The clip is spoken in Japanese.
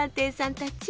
たち！